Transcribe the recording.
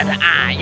ada ada aja